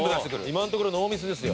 今のところノーミスですよ。